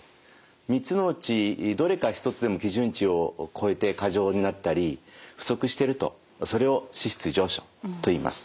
３つのうちどれか１つでも基準値を超えて過剰になったり不足しているとそれを脂質異常症といいます。